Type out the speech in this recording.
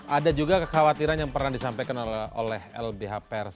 ada juga kekhawatiran yang pernah disampaikan oleh lbh pers